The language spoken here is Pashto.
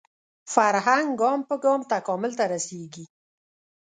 فرهنګ ګام په ګام تکامل ته رسېږي